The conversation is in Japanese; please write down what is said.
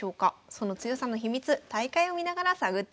その強さの秘密大会を見ながら探っていきましょう。